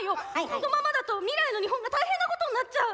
このままだと未来の日本が大変なことになっちゃう。